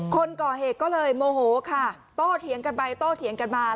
คนก่อเหตุก็เลยโมโหค่ะโตเถียงกันไปโต้เถียงกันมา